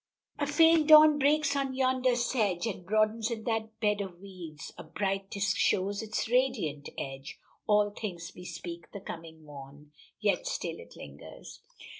"A faint dawn breaks on yonder sedge, And broadens in that bed of weeds; A bright disk shows its radiant edge, All things bespeak the coming morn, Yet still it lingers."